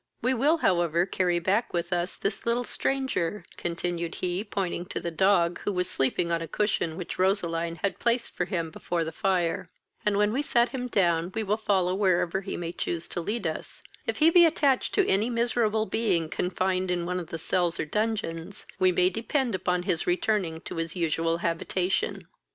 We will, however, carry back with us this little stranger, (continued he, pointing to the dog, who was sleeping on a cushion which Roseline had placed for him before the fire,) and, when we set him down, we will follow wherever he may choose to lead us: If he be attached to any miserable being confined in one of the cells or dungeons, we may depend upon his returning to his usual habitation."